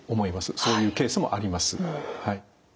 そういうケースもあります。